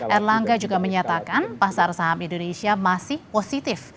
erlangga juga menyatakan pasar saham indonesia masih positif